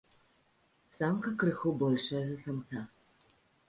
Самка крыху большая за самца.